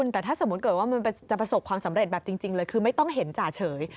แต่ถ้าสมมุติเกิดว่ามันจะประสบความสำเร็จแบบจริงเลยคือไม่ต้องเห็นจ่าเฉย